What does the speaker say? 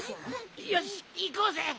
よしいこうぜ。